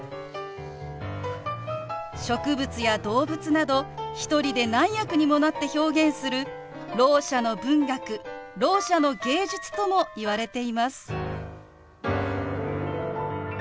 植物や動物など一人で何役にもなって表現するろう者の文学ろう者の芸術ともいわれています。